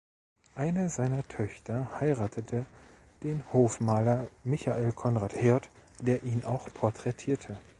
Eine seiner Töchter heiratete den Hofmaler Michael Conrad Hirt, der ihn auch porträtierte.